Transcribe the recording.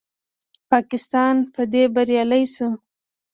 پاکستان په دې بریالی شو